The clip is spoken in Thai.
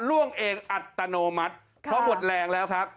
ล่วงเองอัตโนมัติเพราะหมดแรงแล้วครับ